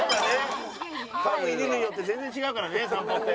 飼う犬によって全然違うからね散歩って。